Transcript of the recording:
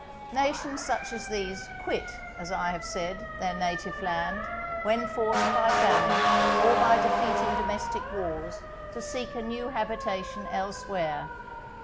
Nations such as these, quit, as I have said, their native land, when forced by famine, or by defeat in domestic wars, to seek a new habitation elsewhere.